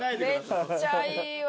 めっちゃいいわ。